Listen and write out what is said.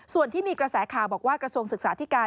ส่วนที่มีกระแสข่าวบอกว่ากระทรวงศึกษาธิการ